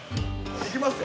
行きますね。